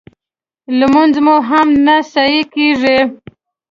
لمونځ مو هم نه صحیح کېږي